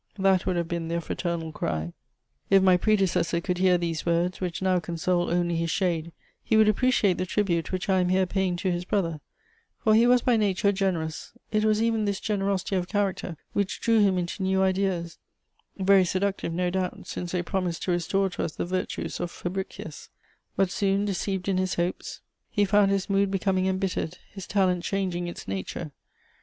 That would have been their fraternal cry. [Sidenote: My speech continued.] "If my predecessor could hear these words, which now console only his shade, he would appreciate the tribute which I am here paying to his brother, for he was by nature generous: it was even this generosity of character which drew him into new ideas, very seductive no doubt, since they promised to restore to us the virtues of Fabricius. But, soon deceived in his hopes, he found his mood becoming embittered, his talent changing its nature.